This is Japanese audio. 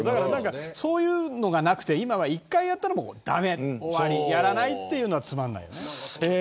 そういうのがなくて今は１回やったらもう駄目、終わりやらないというのがつまんないよね。